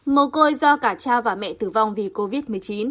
mồ côi do cả cha và mẹ tử vong vì covid một mươi chín